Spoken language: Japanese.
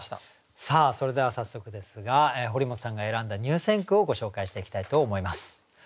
それでは早速ですが堀本さんが選んだ入選句をご紹介していきたいと思います。